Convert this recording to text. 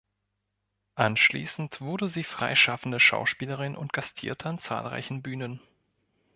Anschließend wurde sie freischaffende Schauspielerin und gastierte an zahlreichen Bühnen.